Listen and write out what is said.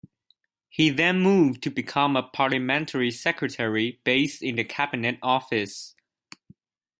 He then moved to become a Parliamentary Secretary based in the Cabinet Office.